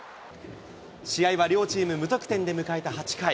試合は両チーム無得点で迎えた８回。